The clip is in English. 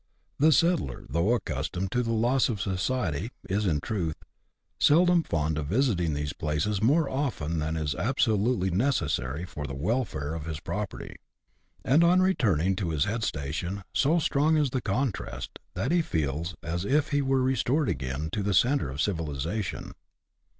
The settler, though accustomed to the loss of society, is, in truth, seldom fond of visitin^^ these places more often than is absolutely necessary for the welfare of his property; and on returning to his head station, so strong is the contrast, that he feels as if he were restored again to the centre of civilization.